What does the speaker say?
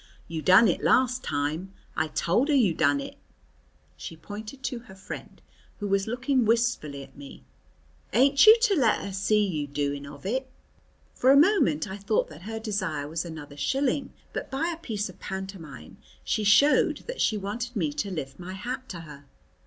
"You done it last time. I tell her you done it" she pointed to her friend who was looking wistfully at me "ain't you to let her see you doing of it?" For a moment I thought that her desire was another shilling, but by a piece of pantomime she showed that she wanted me to lift my hat to her.